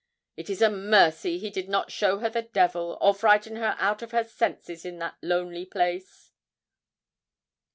It is a mercy he did not show her the devil, or frighten her out of her senses, in that lonely place!'